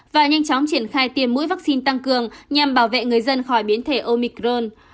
và nhanh chóng triển khai tiêm mũi vaccine tăng cường nhằm bảo vệ người dân khỏi biến thể omicron